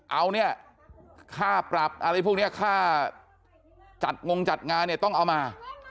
เอาเนี่ยค่าปรับอะไรพวกนี้ค่าจัดงงจัดงานเนี่ยต้องเอามา